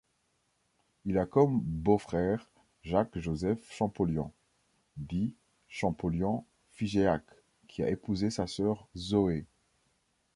Il a comme beau-frère Jacques-Joseph Champollion, dit Champollion-Figeac, qui a épousé sa sœur Zoé.